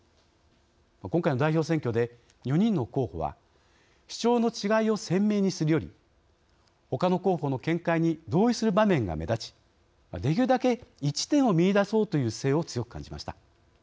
今回の代表選挙で、４人の候補は主張の違いを鮮明にするよりほかの候補の見解に同意する場面が目立ちできるだけ一致点を見いだそうという姿勢を強く感じました。